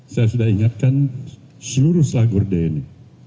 saya sudah ingatkan seluruh selahgurde ini